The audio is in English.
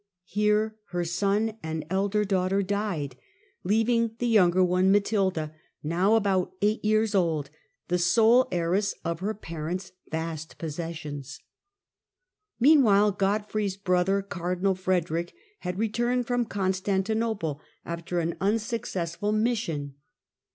Here her son and elder daughter died, leaving the younger one, Matilda, now about eight years old, the sole heiress of her parent's vast possessions. Meanwhile Godfrey's brother cardinal Frederick had returned from Constantinople after an unsuccessful Digitized by VjOOQIC 40 HlLDEBRAliD mission.